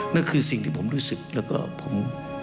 นั่นคือสิ่งที่ผมรู้สึกแล้วก็ผม